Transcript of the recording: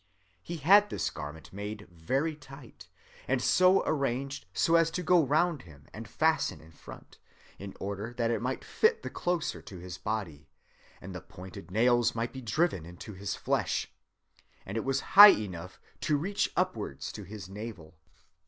He had this garment made very tight, and so arranged as to go round him and fasten in front, in order that it might fit the closer to his body, and the pointed nails might be driven into his flesh; and it was high enough to reach upwards to his navel.